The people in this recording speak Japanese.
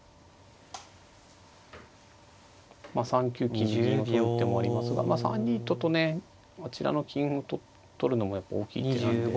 ３九金で銀を取る手もありますが３二ととねあちらの金を取るのもやっぱ大きい手なんで。